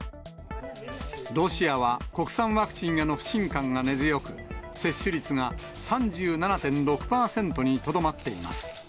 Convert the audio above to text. ロシアは国産ワクチンへの不信感が根強く、接種率が３７．６％にとどまっています。